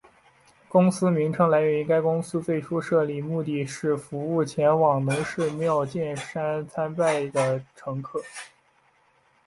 公司名称来源于该公司最初设立目的是服务前往能势妙见山参拜的乘客。